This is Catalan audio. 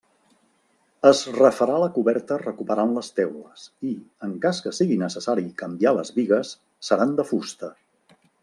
Es refarà la coberta recuperant les teules i, en cas que sigui necessari canviar les bigues, seran de fusta.